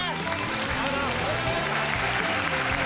ありがとうございます。